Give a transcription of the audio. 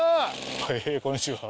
はいこんにちは。